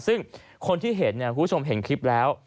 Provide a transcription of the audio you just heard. ซึ่งคนที่เห็นเนี่ยคุณผู้ชมเห็นคลิปแล้ว